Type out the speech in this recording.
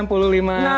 nah ini dia